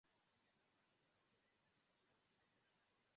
Nun la pli granda parto de la urbo prezentas ruinojn.